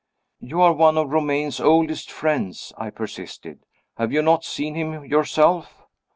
"You are one of Romayne's oldest friends," I persisted. "Have you not seen him yourself?"